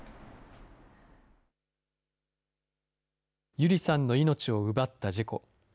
友梨さんの命を奪った事故。